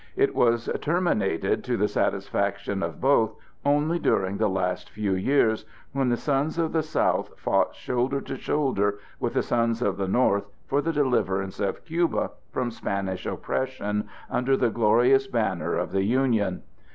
It was terminated to the satisfaction of both only during the last few years, when the sons of the South fought shoulder to shoulder with the sons of the North for the deliverance of Cuba from Spanish oppression under the glorious banner of the Union.